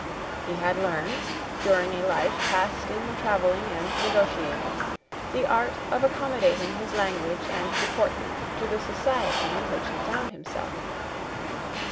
He had learned, during a life passed in travelling and negotiating, the art of accommodating his language and deportment to the society in which he found himself.